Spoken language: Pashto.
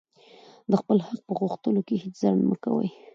د خپل حق په غوښتلو کښي هېڅ ځنډ مه کوئ!